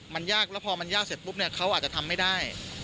มันยากแล้วพอมันยากเสร็จปุ๊บเนี่ยเขาอาจจะทำไม่ได้